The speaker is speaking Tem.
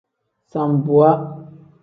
Sambuwa.